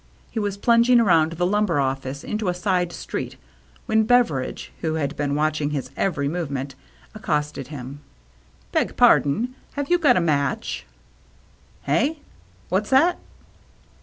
He was plunging around the lumber office into a side street when Beveridge, who had been watching his every movement, accosted him. " Beg pardon, have you got a match ?" "Hey? What's that?"